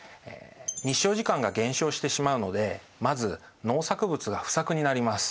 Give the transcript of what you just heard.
日照時間が減少してしまうのでまず農作物が不作になります。